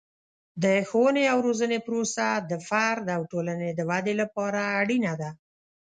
د ښوونې او روزنې پروسه د فرد او ټولنې د ودې لپاره اړینه ده.